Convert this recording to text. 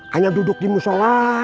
hanya duduk di musola